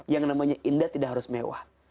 yang namanya indah tidak harus mewah